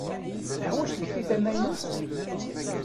Neḥwaǧ tikti tamaynut?